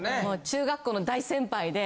中学校の大先輩で。